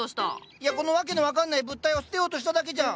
いやこの訳のわかんない物体を捨てようとしただけじゃん！